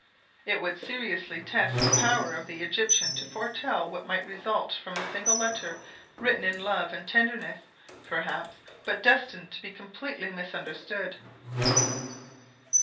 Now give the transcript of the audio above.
It would seriously test the power of the Egyptian to foretell what might result from a single letter, written in all love and tenderness, perhaps, but destined to be completely misunderstood.